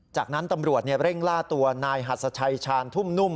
จากนั้นตำรวจเร่งล่าตัวนายหัสชัยชาญทุ่มนุ่ม